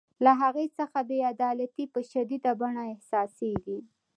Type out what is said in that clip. له هغې څخه بې عدالتي په شدیده بڼه احساسیږي.